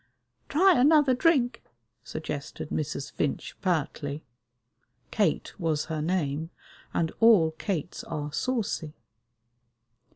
"Try another drink," suggested Mrs. Finch pertly. Kate was her name, and all Kates are saucy.